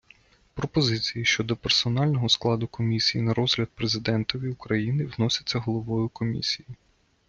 Пропозиції щодо персонального складу Комісії на розгляд Президентові України вносяться головою Комісії.